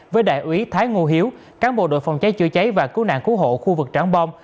với đại úy thái ngô hiếu cán bộ đội phòng cháy chữa cháy và cứu nạn cứu hộ khu vực tráng bom